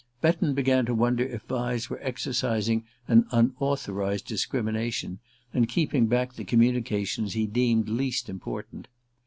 Betton began to wonder if Vyse were exercising an unauthorized discrimination, and keeping back the communications he deemed least important.